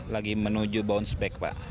lagi menuju bounce back pak